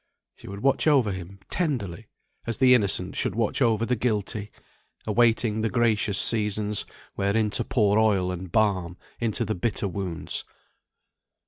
She would watch over him tenderly, as the Innocent should watch over the Guilty; awaiting the gracious seasons, wherein to pour oil and balm into the bitter wounds.